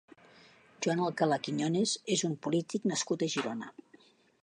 Joan Alcalà Quiñones és un polític nascut a Girona.